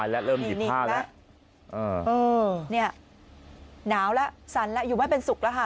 นี่หนาวแล้วสันแล้วอยู่ไว้เป็นศุกร์แล้วฮะ